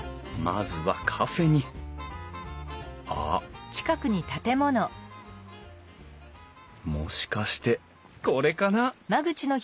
まずはカフェにあっもしかしてこれかな？